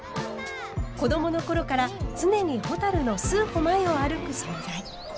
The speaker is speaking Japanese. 子どもの頃から常にほたるの数歩前を歩く存在。